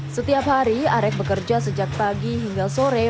setiap hari arek bekerja sejak pagi hingga sore